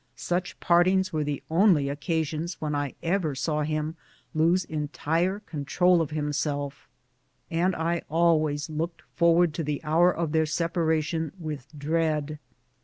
Such partings were the only occa sions when I ever saw him lose entire control of him self, and I always looked forward to the hour of their separation with dread.